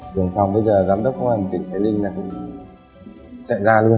trường phòng bây giờ là giám đốc quân hành tỉnh thái linh